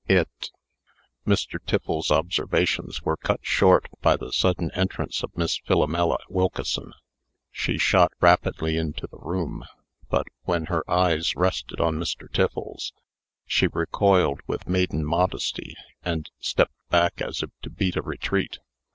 It " Mr. Tiffles's observations were cut short by the sudden entrance of Miss Philomela Wilkeson. She shot rapidly into the room, but, when her eyes rested on Mr. Tiffles, she recoiled with maiden modesty, and stepped back as if to beat a retreat.